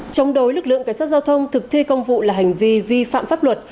chống đối lực lượng cảnh sát giao thông thực thi công vụ là hành vi vi phạm pháp luật